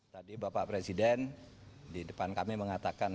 tadi bapak presiden di depan kami mengatakan